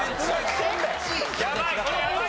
やばい！